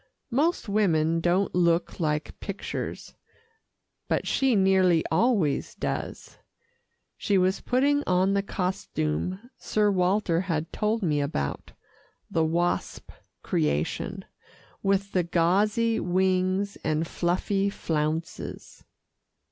Most women don't look like pictures, but she nearly always does. She was putting on the costume Sir Walter had told me about the wasp creation, with the gauzy wings and fluffy flounces.